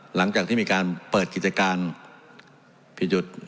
หลังจากที่มีการเปิดกิจการผิดหยุด